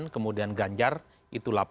kemudian ganjar itu delapan